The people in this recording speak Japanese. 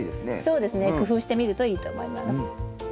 そうですね。工夫してみるといいと思います。